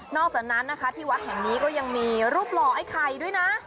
อกจากนั้นนะคะที่วัดแห่งนี้ก็ยังมีรูปหล่อไอ้ไข่ด้วยนะ